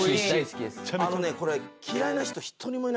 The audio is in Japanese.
あのねこれ。